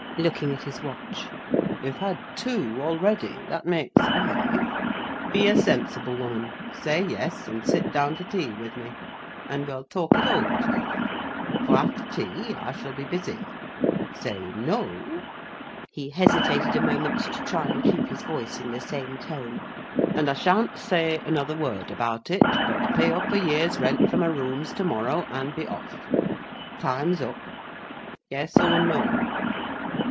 (looking at his watch). "You've had two already—that makes five. Be a sensible woman, say Yes, and sit down to tea with me, and we'll talk it over together; for, after tea, I shall be busy; say No" (he hesitated a moment to try and keep his voice in the same tone), "and I shan't say another word about it, but pay up a year's rent for my rooms to morrow, and be off. Time's up! Yes or no?"